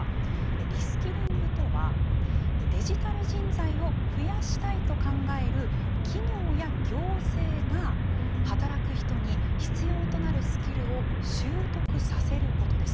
リスキリングとはデジタル人材を増やしたいと考える企業や行政が働く人に必要となるスキルを習得させることです。